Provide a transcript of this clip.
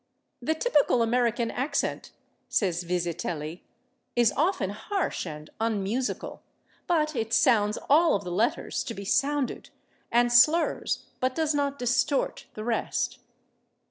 "The typical American accent," says Vizetelly, "is often harsh and unmusical, but it sounds all of the letters to be sounded, and slurs, but does not distort, the rest."